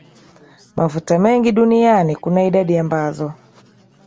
mafuta mengi duniani kuna idadi ambazo